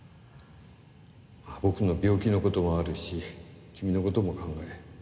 僕の病気の事もあるし君の事も考え